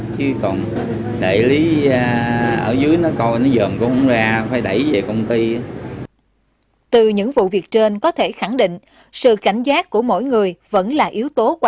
chứ còn đại lý ở dưới nó coi nó dờm cũng không ra phải đẩy về công ty